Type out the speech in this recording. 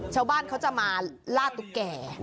ชาวบ้านเขาจะมาล่าตุ๊กแก่